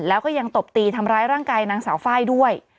แล้วก็ยังตบตีทำร้ายร่างกายนางสาวไฟล์ด้วย